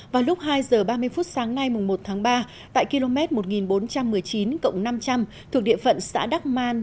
vào lúc hai giờ ba mươi phút sáng nay một tháng ba tại km một nghìn bốn trăm một mươi chín năm trăm linh thuộc địa phận xã đắc man